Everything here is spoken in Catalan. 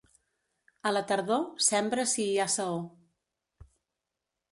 A la tardor sembra si hi ha saó.